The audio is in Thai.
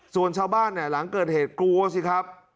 ส่วนชาวบ้านเนี่ยหลังเกิดเหตุกลัวสิครับ